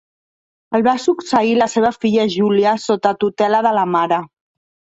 El va succeir la seva filla Júlia sota tutela de la mare.